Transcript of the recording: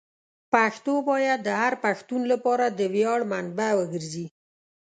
پښتو باید د هر پښتون لپاره د ویاړ منبع وګرځي.